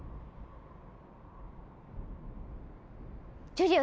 ジュリオ